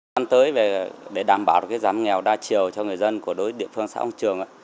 đang tới để đảm bảo giảm nghèo đa chiều cho người dân của địa phương xã hoàng trường